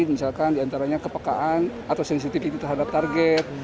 misalkan diantaranya kepekaan atau sensitivitas terhadap target